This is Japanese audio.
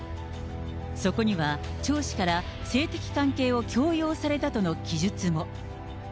そこには、張氏から性的関係を強要されたとの記述も。